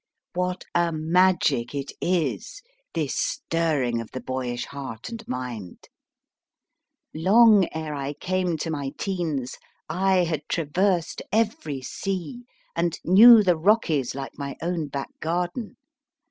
What a magic it is, this stirring of the boyish heart and mind ! Long ere I came to my teens I had traversed every sea and knew the Rockies like my own back garden.